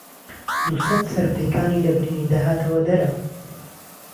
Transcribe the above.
دووسەت سهره پهیکانی له برینی دههاتهوه دهره